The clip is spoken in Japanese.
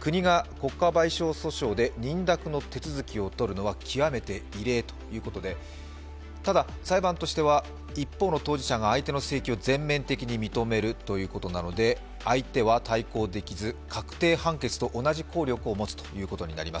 国が国家賠償訴訟で認諾の手続きをとるのは極めて異例ということでただ、裁判としては一方の当事者が相手の請求を全面的に認めるということで、相手は対抗できず、確定判決と同じ効力を持つということになります。